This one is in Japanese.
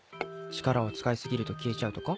力を使いすぎると消えちゃうとか。